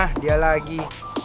ah dia lagi